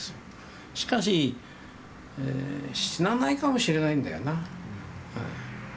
しかし死なないかもしれないんだよな。